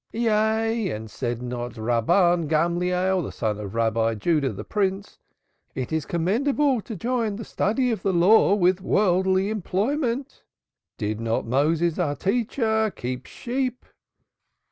"Yea, and said not Rabban Gamliel, the son of Rabbi Judah the Prince, 'it is commendable to join the study of the Law with worldly employment'? Did not Moses our teacher keep sheep?